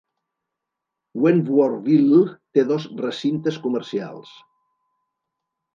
Wentworthville té dos recintes comercials.